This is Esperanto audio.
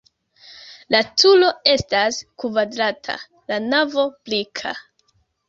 La turo estas kvadrata, la navo brika.